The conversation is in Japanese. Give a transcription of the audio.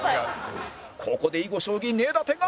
ここで囲碁将棋根建が